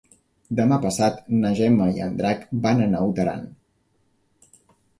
Demà passat na Gemma i en Drac van a Naut Aran.